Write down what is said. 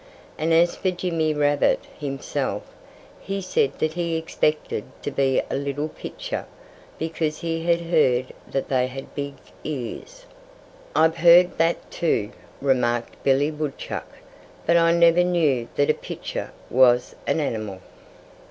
And as for Jimmy Rabbit himself, he said that he expected to be a little pitcher, because he had heard that they had big ears. "I've heard that, too," remarked Billy Woodchuck. "But I never knew that a pitcher was an animal."